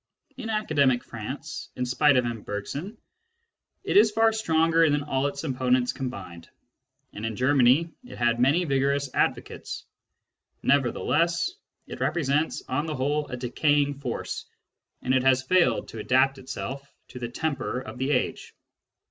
In academic France, in spite of M. Bergson, it is far stronger than all its opponents combined ; and in Germany it has many vigorous advocates. Nevertheless, Digitized by Google CURRENT TENDENCIES 5 it represents on the whole a decaying force, and it has failed to adapt itself to the temper of the age.